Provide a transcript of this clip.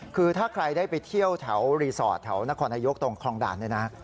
คือถ้าใครได้ไปเที่ยวแถวรีสอร์ทแถวนครนายกตรงคลองด่านเนี่ยนะ